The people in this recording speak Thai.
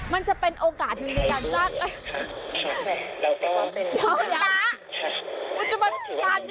มันจะเป็นโอกาสหนึ่งในการสร้าง